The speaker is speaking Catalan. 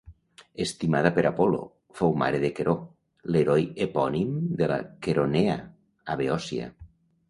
Estimada per Apol·lo, fou mare de Queró, l'heroi epònim de la Queronea, a Beòcia.